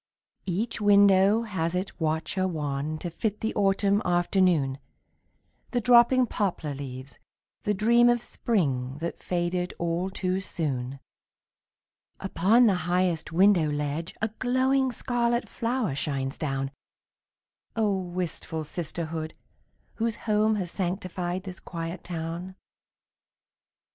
Each window has its watcher wan To fit the autumn afternoon, The dropping poplar leaves, the dream Of spring that faded all too soon. Upon the highest window ledge A glowing scarlet flower shines down. Oh, wistful sisterhood, whose home Has sanctified this quiet town!